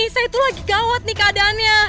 pak rete itu lagi gawat nih keadaannya